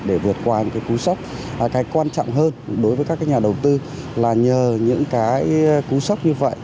để vượt qua những cái cú sốc cái quan trọng hơn đối với các nhà đầu tư là nhờ những cái cú sốc như vậy